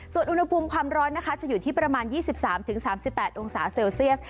ส่วนอุณหภูมิความร้อนนะคะจะอยู่ที่ประมาณ๒๓๓๘องศาเซลเซียส